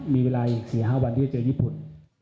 มีเวลาอีก๔๕วันที่จะเจอญี่ปุ่น